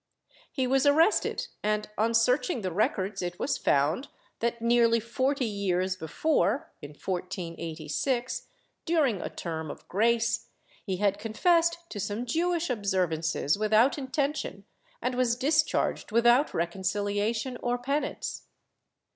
He was arrested and, on searching the records, it was found that, nearly forty years before, in 1486, during a term of grace, he had confessed to some Jewish observances without intention, and was discharged with out reconciliation or penance.